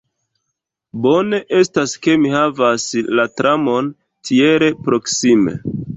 Bone estas ke mi havas la tramon tiel proksime.